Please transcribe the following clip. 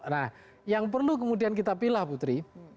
nah yang perlu kemudian kita pilih putri